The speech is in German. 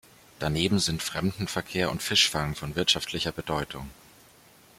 Daneben sind Fremdenverkehr und Fischfang von wirtschaftlicher Bedeutung.